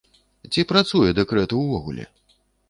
Ці працуе дэкрэт увогуле?